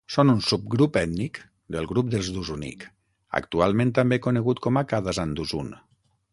Són un subgrup ètnic del grup dels Dusunic, actualment també conegut com a Kadazandusun.